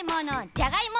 じゃがいも。